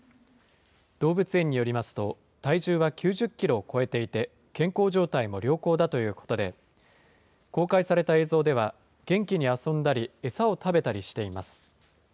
動物園によりますと、体重は９０キロを超えていて、健康状態も良好だということで、公開された映像では、元気に遊んだり、餌を食べたりしています。